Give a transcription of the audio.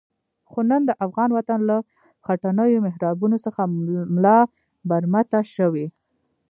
خو نن د افغان وطن له خټینو محرابونو څخه ملا برمته شوی.